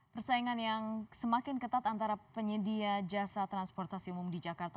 persaingan yang semakin ketat antara penyedia jasa transportasi umum di jakarta